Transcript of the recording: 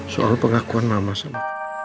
soal pengakuan mama sama